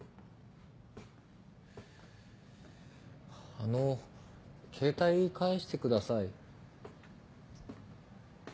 あの携帯返してください。